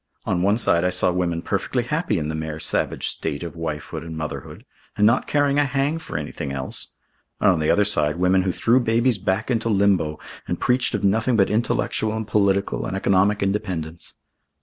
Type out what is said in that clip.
On one side I saw women perfectly happy in the mere savage state of wifehood and motherhood, and not caring a hang for anything else, and on the other side women who threw babies back into limbo and preached of nothing but intellectual and political and economic independence.